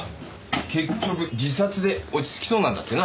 結局自殺で落ち着きそうなんだってな。